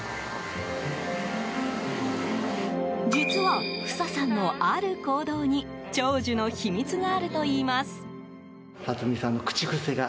実は、フサさんのある行動に長寿の秘密があるといいます。